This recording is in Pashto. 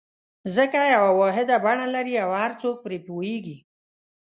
ځکه یوه واحده بڼه لري او هر څوک پرې پوهېږي.